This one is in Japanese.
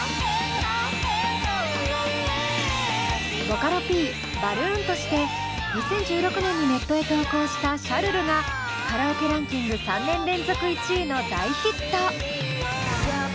ボカロＰバルーンとして２０１６年にネットへ投稿した「シャルル」がカラオケランキング３年連続１位の大ヒット。